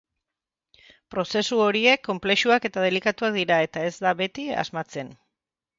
Prozesu horiek konplexuak eta delikatuak dira, eta ez da beti asmatzen.